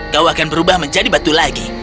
kau akan berubah menjadi batu lagi